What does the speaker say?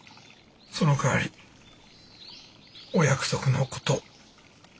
そのかわりお約束の事何とぞ。